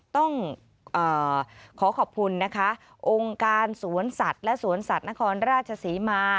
ต้องขอขอบคุณนะคะองค์การสวนสัตว์และสวนสัตว์นครราชศรีมา